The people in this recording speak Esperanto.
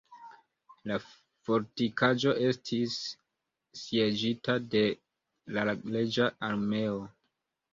La fortikaĵo estis sieĝita de la reĝa armeo.